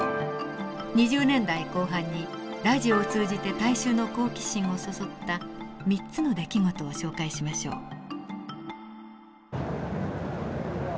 ２０年代後半にラジオを通じて大衆の好奇心をそそった３つの出来事を紹介しましょう。